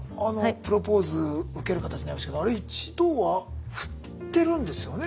プロポーズ受ける形になりましたけどあれ一度は振ってるんですよね